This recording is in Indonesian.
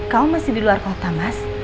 kau masih di luar kota mas